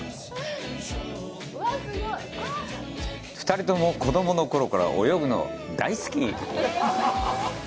２人とも、子供の頃から泳ぐのが大好き。